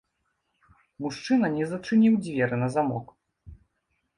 Мужчына не зачыніў дзверы на замок.